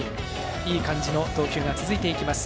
いい感じの投球が続いていきます。